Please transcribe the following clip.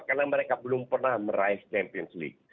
karena mereka belum pernah meraih champions league